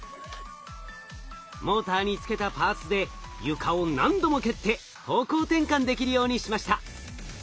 モーターに付けたパーツで床を何度も蹴って方向転換できるようにしました。